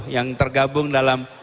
yang tergabung dalam